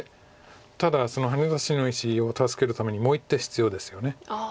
ただそのハネ出しの石を助けるためにもう１手必要ですよね。